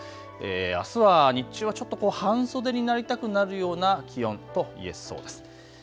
あすは日中はちょっと半袖になりたくなるような気温といえそうです。